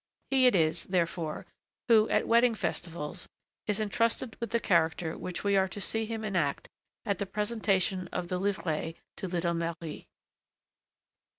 He it is, therefore, who, at wedding festivals, is entrusted with the character which we are to see him enact at the presentation of the livrées to little Marie.